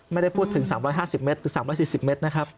ไม่ได้พูดถึง๓๕๐เมตรหรือ๓๔๐เมตรนะครับ